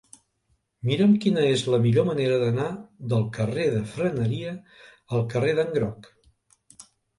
Mira'm quina és la millor manera d'anar del carrer de Freneria al carrer d'en Groc.